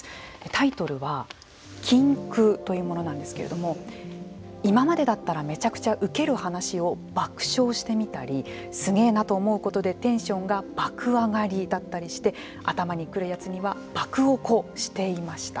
タイトルは「禁句」というものなんですけれども今までだったらめちゃくちゃウケル話を「爆笑」してみたり凄えなと思うことでテンションが「爆上がり」だったりして頭に来るやつには「爆おこ」していました。